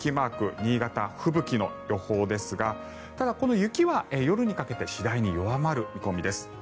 新潟、吹雪の予報ですがただ、この雪は夜にかけて次第に弱まる見込みです。